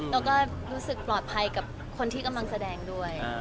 แล้วก็รู้สึกปลอดภัยกับคนที่กำลังแสดงด้วย